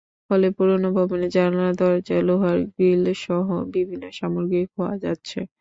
ফলে পুরোনো ভবনের জানালা, দরজা, লোহার গ্রিলসহ বিভিন্ন সামগ্রী খোয়া যাচ্ছে।